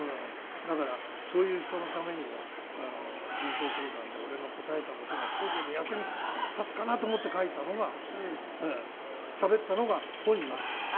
だからそういう人のためにも人生相談で俺の答えた事が少しでも役に立つかなと思って書いたのがしゃべったのが本になっちゃったの。